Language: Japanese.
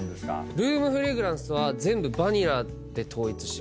ルームフレグランスは全部バニラで統一してます。